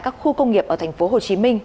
các khu công nghiệp ở thành phố hồ chí minh